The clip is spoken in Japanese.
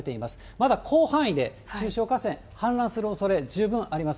まだ広範囲で、中小河川、氾濫するおそれ、十分あります。